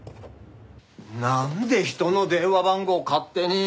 なんで人の電話番号を勝手に！